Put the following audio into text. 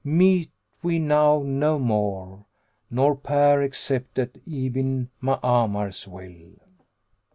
Meet we now no more * Nor pair except at Ibn Ma'amar's will."